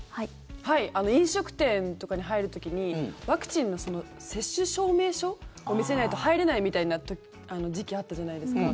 飲食店とかに入る時にワクチンの接種証明書見せないと入れないみたいな時期あったじゃないですか。